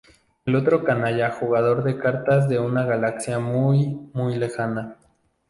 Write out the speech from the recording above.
El otro canalla jugador de cartas de una galaxia muy, muy lejana.